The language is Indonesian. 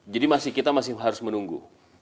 jadi kita masih harus menunggu